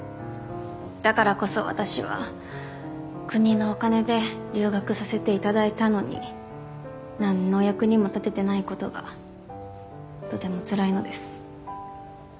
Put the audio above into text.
だからこそ私は国のお金で留学させて頂いたのになんのお役にも立ててない事がとてもつらいのです。